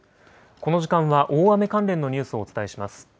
この時間は大雨関連のニュースをお伝えします。